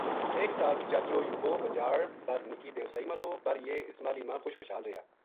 ایک سال چاچو یوبو بجاڑ بر نِکی دیواسئی ما تھو بر یہ اس ماہلی ما خوش خشحال رہیا